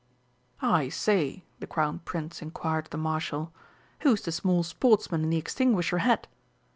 "I say," the Crown Prince inquired of the Marshal, "who's the small sportsman in the extinguisher hat?"